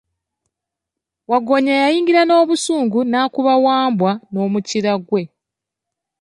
Waggoonya yayingira n'obusungu n'akuba Wambwa n'omukira gwe.